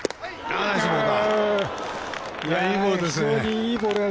いいボールだ。